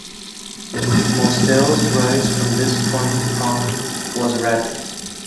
Mostel's rise from this point on was rapid.